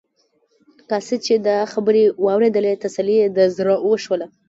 قاصد چې دا خبرې واورېدلې تسلي یې د زړه وشوله.